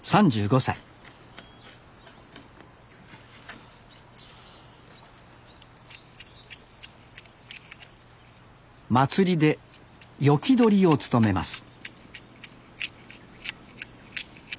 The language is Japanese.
３５歳祭りで斧取りを務めます